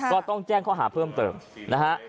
ก็ต้องแจ้งข้อหาเพิ่มเติมนะฮะ